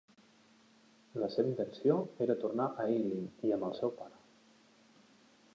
La seva intenció era tornar a Eileen i amb el seu pare.